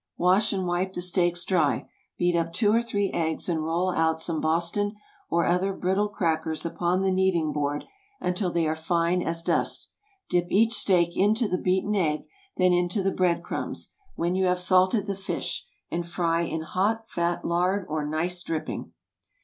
✠ Wash and wipe the steaks dry. Beat up two or three eggs, and roll out some Boston or other brittle crackers upon the kneading board until they are fine as dust. Dip each steak into the beaten egg, then into the bread crumbs (when you have salted the fish), and fry in hot fat, lard, or nice dripping.